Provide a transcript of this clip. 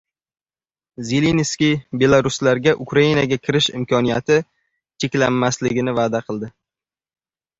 Zelenskiy belaruslarga Ukrainaga kirish imkoniyati cheklanmasligini va’da qildi